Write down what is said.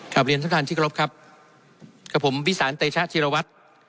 ครับเรียนท่านท่านชิคกรพครับครับผมวิสานเตชะธิรวัตร